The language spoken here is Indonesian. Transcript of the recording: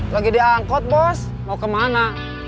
lagi di angkot bos mau kemana